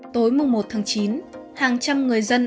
tối một chín hàng trăm người dân